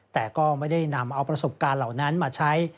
แต่ก็ไม่ได้นำเอาประสบการณ์เหล่านั้นมาใช้